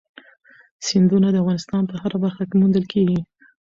سیندونه د افغانستان په هره برخه کې موندل کېږي.